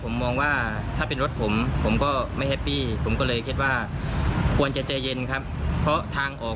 ผมมองว่าถ้าเป็นรถผมผมก็ไม่แฮปปี้ผมก็เลยคิดว่าควรจะใจเย็นครับเพราะทางออก